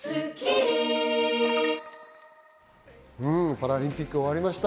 パラリンピック終わりました。